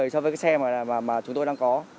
so với xe mà chúng tôi đang có